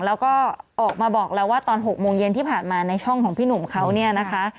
แล้วก็ออกมาบอกแล้วว่าตอน๖โมงเย็นที่ผ่านมาในช่องของพี่หนุ่มเขาเนี่ยนะคะ